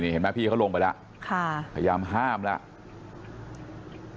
เห็นไหมพี่เขาลงไปแล้วพยายามห้ามแล้ว